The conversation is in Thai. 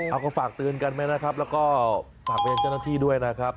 เอาก็ฝากเตือนกันไหมนะครับแล้วก็ฝากไปยังเจ้าหน้าที่ด้วยนะครับ